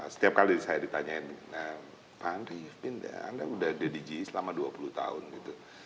setiap kali saya ditanyain pak andri pindah anda udah di ge selama dua puluh tahun gitu